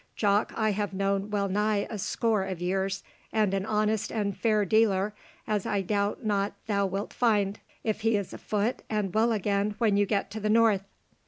Jock I have known well nigh a score of years, and an honest and fair dealer, as I doubt not thou wilt find, if he is afoot and well again when you get to the north.